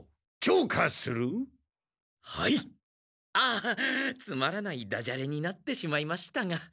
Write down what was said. あっつまらないダジャレになってしまいましたが。